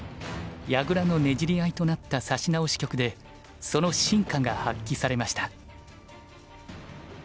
矢倉のねじり合いとなった指し直し局でその真価が発揮されました。